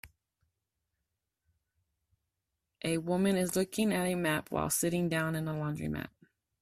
A woman is looking at a map while sitting down in a laundromat.